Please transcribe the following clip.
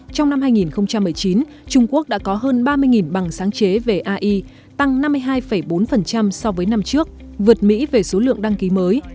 trong năm hai nghìn một mươi chín trung quốc đã có hơn ba mươi bằng sáng chế về ai tăng năm mươi hai bốn so với năm trước vượt mỹ về số lượng đăng ký mới